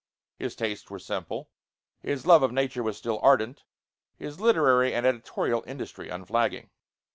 His tastes were simple, his love of nature was still ardent; his literary and editorial industry unflagging.